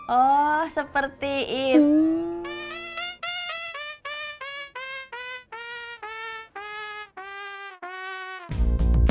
oh seperti itu